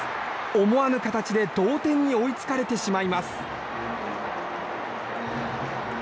思わぬ形で同点に追いつかれてしまいます。